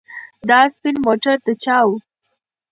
دا سپین موټر د چا و؟